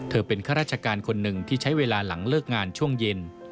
เป็นข้าราชการคนหนึ่งที่ใช้เวลาหลังเลิกงานช่วงเย็น